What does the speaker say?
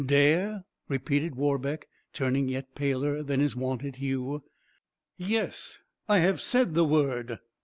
"Dare!" repeated Warbeck, turning yet paler than his wonted hue. "Yes, I have said the word!